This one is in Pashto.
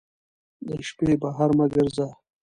د شپې بهر مه ګرځه